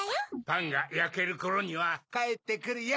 パンがやけるころにはかえってくるよ。